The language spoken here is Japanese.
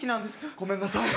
ごめんなさい。